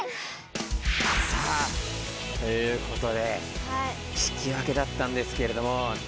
さあということで引き分けだったんですけれども。